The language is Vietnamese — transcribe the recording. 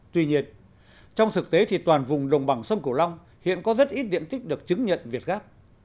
tuy nhiên trong thực tế thì toàn vùng đồng bằng sông cổ long hiện có rất ít điện tích được chứng nhận việt gap